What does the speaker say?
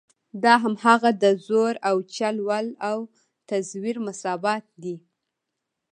دا هماغه د زور او چل ول او تزویر مساوات دي.